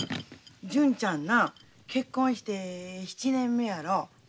純ちゃんな結婚して７年目やろ。